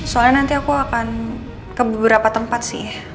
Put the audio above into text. soalnya nanti aku akan ke beberapa tempat sih